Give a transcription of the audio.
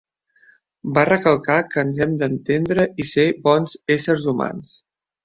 Va recalcar que ens hem d'entendre i ser bons éssers humans.